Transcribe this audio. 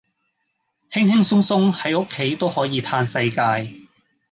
輕輕鬆鬆喺屋企都可以嘆世界